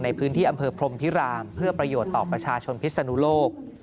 ในพื้นที่อำเภอพรมพิรามเพื่อประโยชน์ต่อประชาชนพิศนุโลก